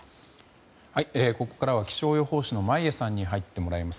ここからは気象予報士の眞家さんに入ってもらいます。